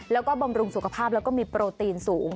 แล้วก็บำรุงสุขภาพแล้วก็มีโปรตีนสูง